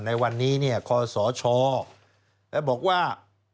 ในวันนี้คอสชบอกว่า